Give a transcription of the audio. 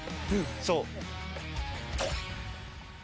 そう。